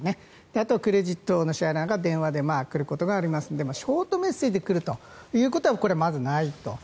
あとはクレジットの支払いが電話で来ることがありますのでショートメッセージで来るということはこれ、まずないと。